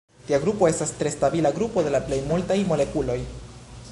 Tia grupo estas tre stabila grupo en la plej multaj molekuloj.